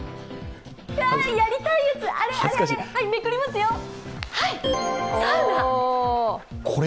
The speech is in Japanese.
やりたいやつ、あれ、あれ！